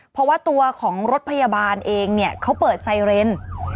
เพราะว่าตัวของรถพยาบาลเองเนี่ยเขาเปิดไซเรน